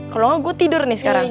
kalo ga gue tidur nih sekarang